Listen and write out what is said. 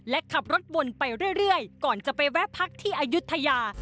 และขับรถวนไปเรื่อยก่อนจะไปแวะพักที่อายุทยา